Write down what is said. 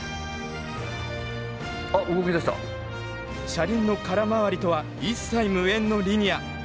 車輪の空回りとは一切無縁のリニア。